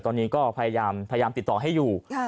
ตอนนี้ก็พยายามติดต่อให้อยู่